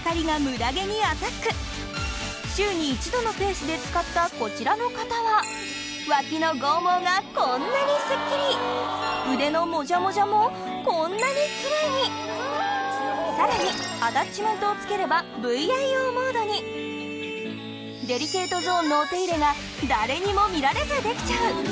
週に一度のペースで使ったこちらの方は脇の剛毛がこんなにすっきり腕のモジャモジャもこんなにキレイにさらにアタッチメントを付ければデリケートゾーンのお手入れが誰にも見られずできちゃう！